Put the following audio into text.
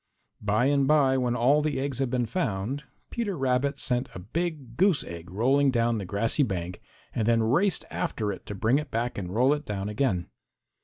By and by, when all the eggs had been found, Peter Rabbit sent a big goose egg rolling down the grassy bank and then raced after it to bring it back and roll it down again.